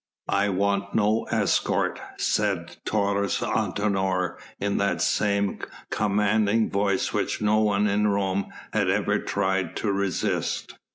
"I want no escort," said Taurus Antinor in that same commanding voice which no one in Rome had ever tried to resist.